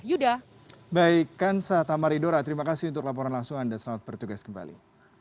yuda baik kan sahabat maridora terima kasih untuk laporan langsung anda selamat bertugas kembali